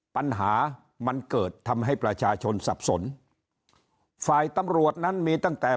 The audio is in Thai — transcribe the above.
ปัญหามันเกิดทำให้ประชาชนสับสนฝ่ายตำรวจนั้นมีตั้งแต่